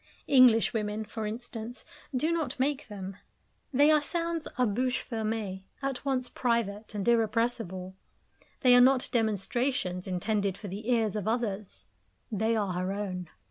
English women, for instance, do not make them. They are sounds a bouche fermee, at once private and irrepressible. They are not demonstrations intended for the ears of others; they are her own.